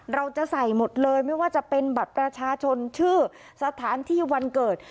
เราจะใส่หมดเลยไม่ว่าจะเป็นบัตรประชาชนชื่อสถานที่วันเกิด